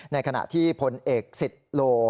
ในขณะที่ผลเอก๑๐โล